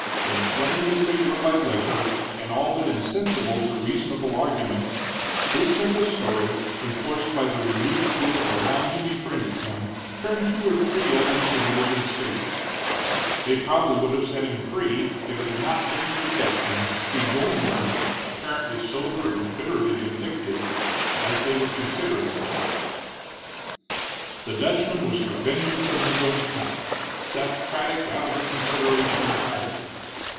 Inflamed as they were by liquor, and all but insensible to reasonable argument, this simple story, enforced by the renewed plea of the one who befriended him, turned two or three others in Morgan's favor. They probably would have set him free if it had not been for the Dutchman, who joined them, apparently sober and bitterly vindictive, as they were considering that step. The Dutchman was for vengeance on his own account, Seth Craddock out of the consideration entirely.